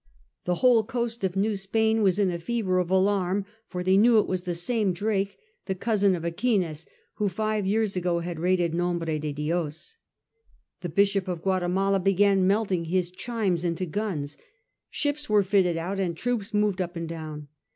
The whole coast of New Spain was in a fever of alarm, for they knew it was the same Drake, the cousin of Aquinez, who, five years ago, had raided Nombre de Dios. The Bishop of Guatemala began melting his chimes into guns, ships were fitted out and troops moved up and down.